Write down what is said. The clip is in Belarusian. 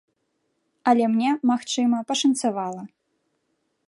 Але мне, магчыма, пашанцавала.